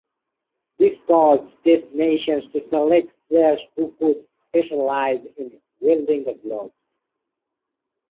This caused Test nations to select players who could specialise in wielding the gloves.